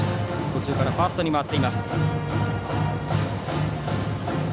途中からファーストに回っています。